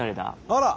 あら？